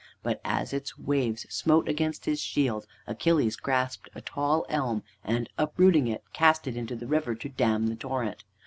But as its waves smote against his shield, Achilles grasped a tall elm, and uprooting it, cast it into the river to dam the torrent.